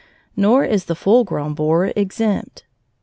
Nor is the full grown borer exempt.